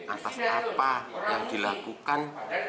atas apa yang dilakukan